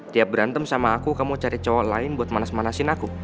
dia berantem sama aku kamu cari cowok lain buat manas manasin aku